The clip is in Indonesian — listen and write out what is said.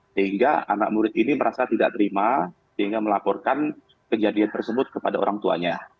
sehingga anak murid ini merasa tidak terima sehingga melaporkan kejadian tersebut kepada orang tuanya